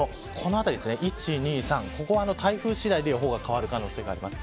１、２、３は台風次第で予報が変わる可能性があります。